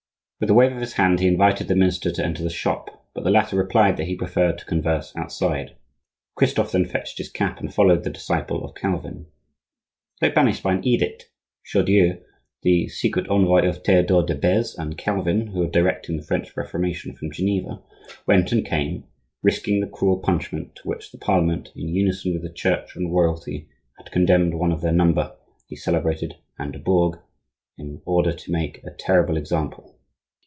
With a wave of his hand he invited the minister to enter the shop, but the latter replied that he preferred to converse outside. Christophe then fetched his cap and followed the disciple of Calvin. Though banished by an edict, Chaudieu, the secret envoy of Theodore de Beze and Calvin (who were directing the French Reformation from Geneva), went and came, risking the cruel punishment to which the Parliament, in unison with the Church and Royalty, had condemned one of their number, the celebrated Anne du Bourg, in order to make a terrible example.